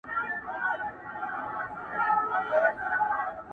ورور هم فشار للاندي دی او خپل عمل پټوي،